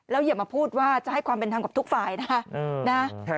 อย่ามาพูดว่าจะให้ความเป็นธรรมกับทุกฝ่ายนะ